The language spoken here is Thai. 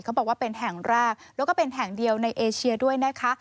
เขาบอกว่าเป็นแห่งแรกแล้วก็เป็นแห่งเดียวในเอเชียด้วยนะคะ